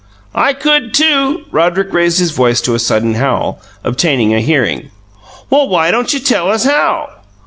"I could, too!" Roderick raised his voice to a sudden howl, obtaining a hearing. "Well, why don't you tell us how?"